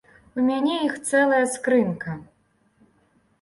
У мяне іх цэлая скрынка.